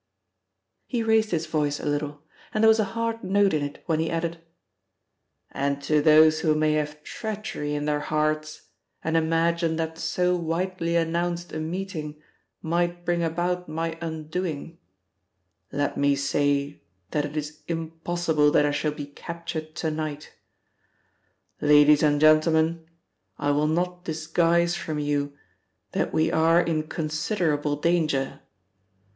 He raised his voice a little, and there was a hard note in it when he added: "And to those who may have treachery in their hearts, and imagine that so widely announced a meeting might bring about my undoing, let me say that it is impossible that I shall be captured to night. Ladies and gentlemen, I will not disguise from you that we are in considerable danger.